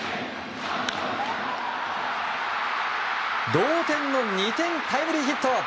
同点の２点タイムリーヒット。